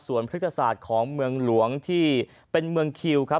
ส่วนพฤกษศาสตร์ของเมืองหลวงที่เป็นเมืองคิวครับ